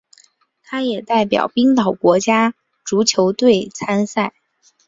他也代表冰岛国家足球队参赛。